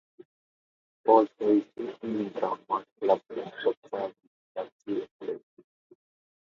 She was also in the Drama club and performed in a few plays.